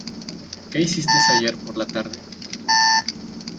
¿Qué hiciste ayer por la tarde?